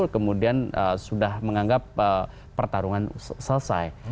kemudian sudah menganggap pertarungan selesai